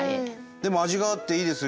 でも味があっていいですよ